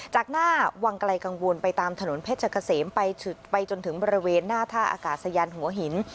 จากหน้าวังไกลกังวลไปตามถนนเพชรเกษมไปจนถึงบริเวณหน้าท่าอากาศยานหัวหิน